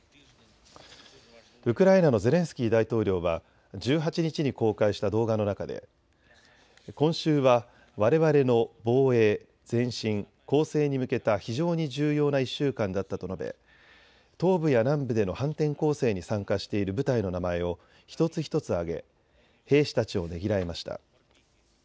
ウクライナのゼレンスキー大統領は１８日に公開した動画の中で今週はわれわれの防衛、前進、攻勢に向けた非常に重要な１週間だったと述べ東部や南部での反転攻勢に参加している部隊の名前を一つ一つ挙げ、兵士たちをねぎらいました。